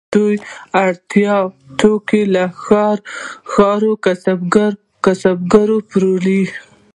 دوی د اړتیا وړ توکي له ښاري کسبګرو پیرل.